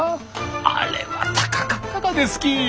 あれは高かったがですき！